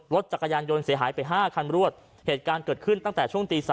รถจักรยานยนต์เสียหายไปห้าคันรวดเหตุการณ์เกิดขึ้นตั้งแต่ช่วงตี๓